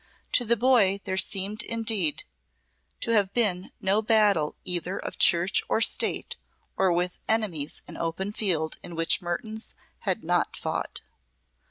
To the boy there seemed indeed to have been no battle either of Church or State, or with enemies in open field in which Mertouns had not fought.